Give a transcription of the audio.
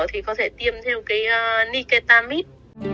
thì có thể tiêm theo cái niketamid